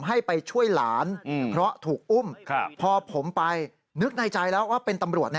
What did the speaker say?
ให้ไปช่วยหลานเพราะถูกอุ้มพอผมไปนึกในใจแล้วว่าเป็นตำรวจ